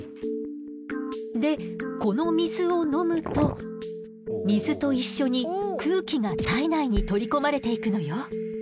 でこの水を飲むと水と一緒に空気が体内に取り込まれていくのよ。